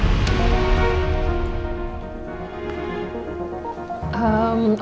masih nggak setuju